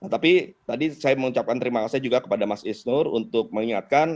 tapi tadi saya mengucapkan terima kasih juga kepada mas isnur untuk mengingatkan